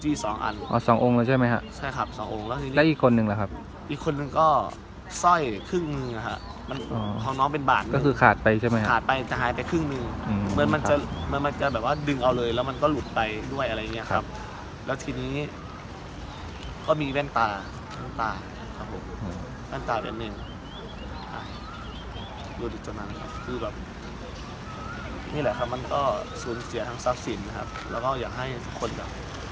จี้สองอันอ๋อสององค์แล้วใช่ไหมครับใช่ครับสององค์แล้วอีกคนหนึ่งแล้วครับอีกคนหนึ่งก็ซ่อยครึ่งหนึ่งอ่ะค่ะมันของน้องเป็นบาทนึงก็คือขาดไปใช่ไหมครับขาดไปจะหายไปครึ่งหนึ่งอืมเหมือนมันจะมันมันจะแบบว่าดึงเอาเลยแล้วมันก็หลุดไปด้วยอะไรอย่างเงี้ยครับแล้วทีนี้ก็มีแว่นตาแว่นตาครับผมแว่นตาเป็